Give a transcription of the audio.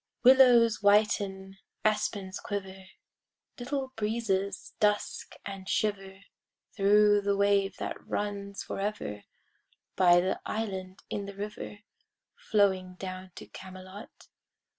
Willows whiten, aspens quiver, Little breezes dusk and shiver Thro' the wave that runs forever By the island in the river Flowing down to Camelot.